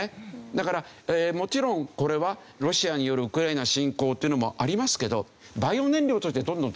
だからもちろんこれはロシアによるウクライナ侵攻っていうのもありますけど。